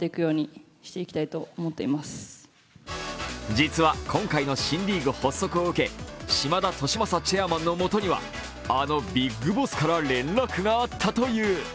実は、今回の新リーグ発足を受け島田利正チェアマンのもとにはあのビッグボスから連絡があったという。